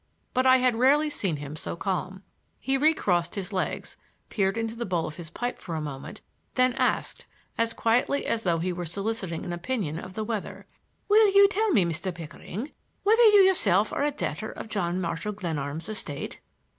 But I had rarely seen him so calm. He recrossed his legs, peered into the bowl of his pipe for a moment, then asked, as quietly as though he were soliciting an opinion of the weather: "Will you tell me, Mr. Pickering, whether you yourself are a debtor of John Marshall Glenarm's estate?"